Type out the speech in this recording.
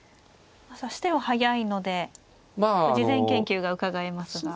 指し手は速いので事前研究がうかがえますが。